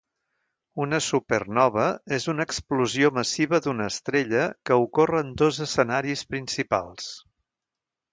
Una supernova és una explosió massiva d'una estrella que ocorre en dos escenaris principals.